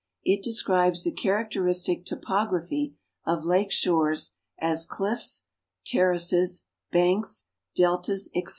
It describes the characteristic topog raphy of lake shores, as dill's, terraces, banks, deltas, etc.